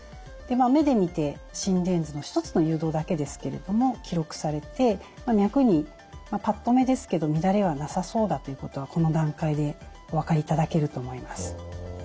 目で見て心電図の１つの誘導だけですけれども記録されて脈にぱっと目ですけど乱れはなさそうだということはこの段階でお分かりいただけると思います。